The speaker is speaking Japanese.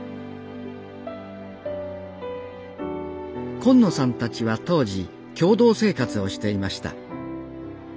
今野さんたちは当時共同生活をしていました。